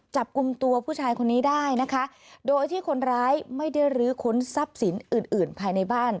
จับกลุ่มตัวผู้ชายคนนี้ได้นะคะโดยที่คนร้ายไม่ได้ลื้อค้นทรัพย์สินอื่นอื่นภายในบ้าน